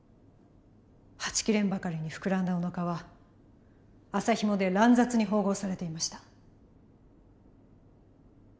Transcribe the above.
はちきれんばかりに膨らんだおなかは麻ひもで乱雑に縫合されていました。